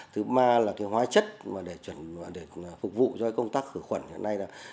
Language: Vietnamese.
thứ ba là hóa chất để phục vụ cho công tác khử khuẩn